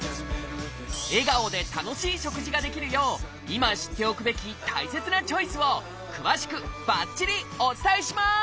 笑顔で楽しい食事ができるよう今知っておくべき大切なチョイスを詳しくばっちりお伝えします！